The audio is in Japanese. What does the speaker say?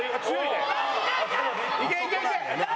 いけいけいけ！